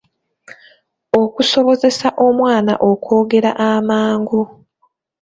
Okusobozesa omwana okwogera amangu.